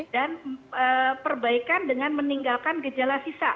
perbaikan dengan meninggalkan gejala sisa